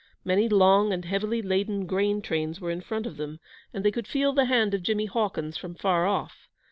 Many long and heavily laden grain trains were in front of them, and they could feel the hand of Jimmy Hawkins from far off.